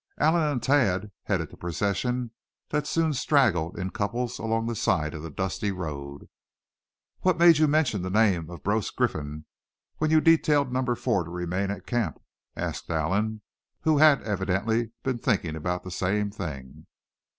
Allan and Thad headed the procession that soon straggled in couples along the side of the dusty road. "What made you mention the name of Brose Griffin when you detailed Number Four to remain at the camp?" asked Allan, who had evidently been thinking about this same thing.